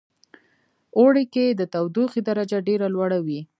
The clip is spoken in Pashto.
اوړی کې د تودوخې درجه ډیره لوړه وی